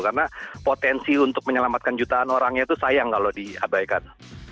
karena potensi untuk menyelamatkan jutaan orang itu sayang kalau diabaikan